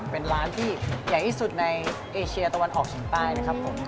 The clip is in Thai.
เป็นร้านที่ใหญ่ที่สุดในเอเชียตะวันออกเฉียงใต้นะครับผม